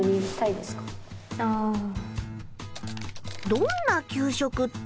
どんな給食って。